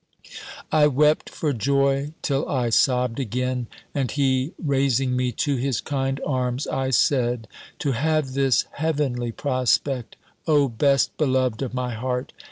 I wept for joy till I sobbed again and he raising me to his kind arms, I said "To have this heavenly prospect, O best beloved of my heart!